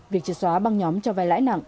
việc trị xóa băng nhóm cho vay lãi nặng